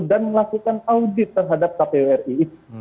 dan lakukan audit terhadap kpwri